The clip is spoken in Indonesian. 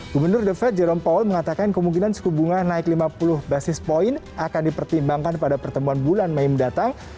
gubernur the fed jerome powell mengatakan kemungkinan suku bunga naik lima puluh basis point akan dipertimbangkan pada pertemuan bulan mei mendatang